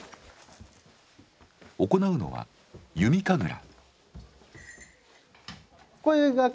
行うのは弓神楽。